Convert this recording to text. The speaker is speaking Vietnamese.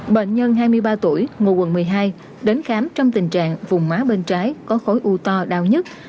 bệnh nhân hai mươi ba tuổi ngụ quận một mươi hai đến khám trong tình trạng vùng má bên trái có khối u to đau nhất